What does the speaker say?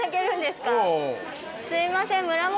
すいません。